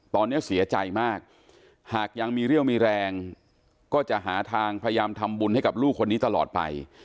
ตอนนี้เสียใจมากหากยังมีเรี่ยวมีแรงก็จะหาทางพยายามทำบุญให้กับลูกคนนี้ตลอดไป